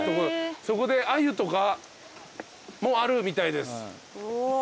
そこで鮎とかもあるみたいです。